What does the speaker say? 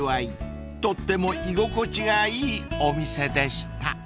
［とっても居心地がいいお店でした］